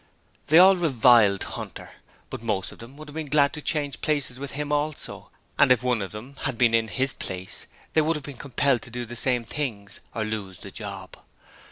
They all reviled Hunter, but most of them would have been glad to change places with him also: and if any one of them had been in his place they would have been compelled to do the same things, or lose the job.